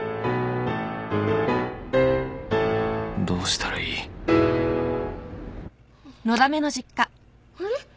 どうしたらいいあれ！？